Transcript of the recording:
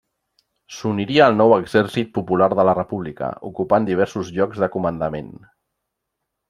S'uniria al nou Exèrcit Popular de la República, ocupant diversos llocs de comandament.